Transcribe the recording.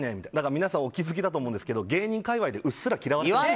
皆さんお気づきだと思うんですけど芸人界隈でうっすら嫌われてます。